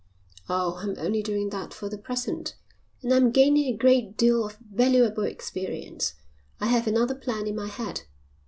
"Oh, I'm only doing that for the present, and I'm gaining a great deal of valuable experience. I have another plan in my head.